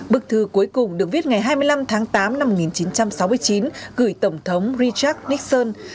bức thư cuối cùng được viết ngày hai mươi năm tháng tám năm một nghìn chín trăm sáu mươi chín gửi tổng thống richard nixon